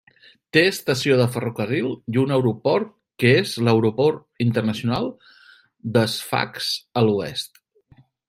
Té estació de ferrocarril i un aeroport que és l'Aeroport Internacional de Sfax a l'oest.